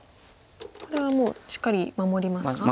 これはもうしっかり守りますか。